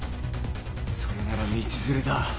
それなら道連れだ！